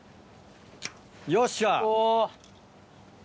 よっしゃ。